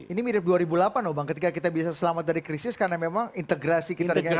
ini mirip dua ribu delapan loh bang ketika kita bisa selamat dari krisis karena memang integrasi kita dengan indonesia